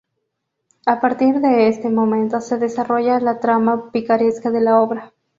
A partir de este momento, se desarrolla la trama picaresca de la obra.